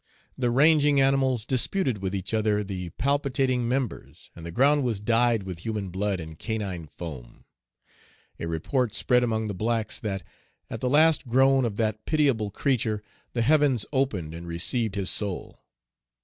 The ranging animals disputed with each other the palpitating members, and the ground was dyed with human blood and canine foam. A report spread among the blacks, that, at the last groan of that pitiable creature, the heavens opened and received his soul.